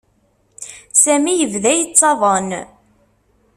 Sami yebda yettaḍen.